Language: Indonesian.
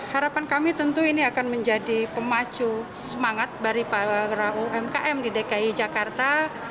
harapan kami tentu ini akan menjadi pemacu semangat dari para umkm di dki jakarta